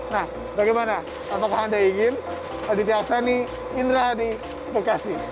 nah bagaimana apakah anda ingin aditya aksani indra di bekasi